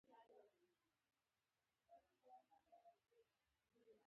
کوم ډول ستونزې کېدای شي په کار کې رامنځته شي؟